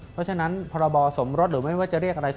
เพราะฉะนั้นพรบสมรสหรือไม่ว่าจะเรียกอะไร